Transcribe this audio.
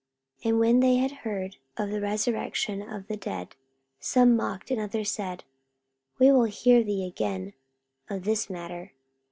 44:017:032 And when they heard of the resurrection of the dead, some mocked: and others said, We will hear thee again of this matter.